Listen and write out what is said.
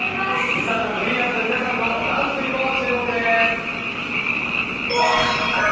梨紗ちゃんとヴィーナスの皆さんのダンスにも注目です。